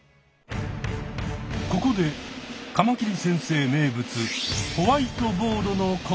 ここでカマキリ先生